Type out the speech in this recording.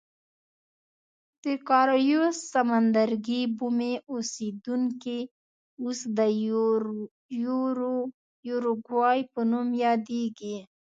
د کارایوس سمندرګي بومي اوسېدونکي اوس د یوروګوای په نوم یادېږي.